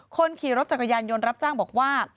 คนขี่รถจักรยานยนต์รับจ้างบอกว่า